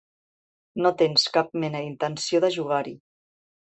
No tens cap mena d'intenció de jugar-hi.